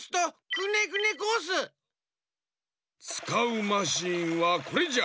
つかうマシンはこれじゃ。